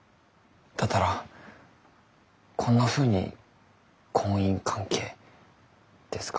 だったらこんなふうに婚姻関係ですか？